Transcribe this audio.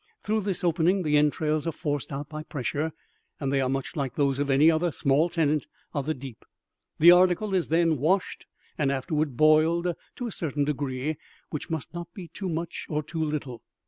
Through this opening the entrails are forced out by pressure, and they are much like those of any other small tenant of the deep. The article is then washed, and afterward boiled to a certain degree, which must not be too much or too little.